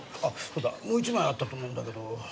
そうだもう一枚あったと思うんだけど。